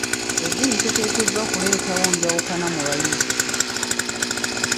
Edddiini teteekeddwa kuleetawo njawukana mu bayizi.